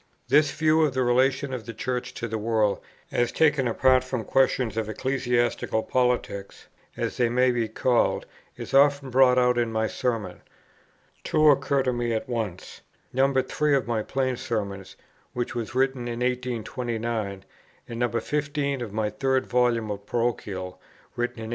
This view of the relation of the Church to the world as taken apart from questions of ecclesiastical politics, as they may be called, is often brought out in my Sermons. Two occur to me at once; No. 3 of my Plain Sermons, which was written in 1829, and No. 15 of my Third Volume of Parochial, written in 1835.